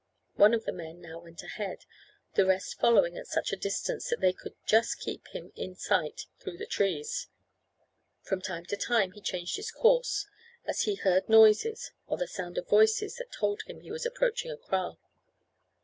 One of the men now went ahead, the rest following at such a distance that they could just keep him in sight through the trees. From time to time he changed his course, as he heard noises or the sound of voices that told him he was approaching a kraal.